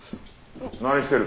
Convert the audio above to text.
何してる？